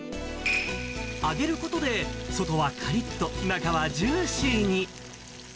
揚げることで外はかりっと、中はジューシーに。